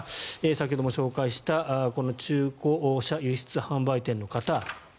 先ほども紹介した中古車輸出販売店の方